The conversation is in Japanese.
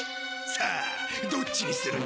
さあどっちにするんだ？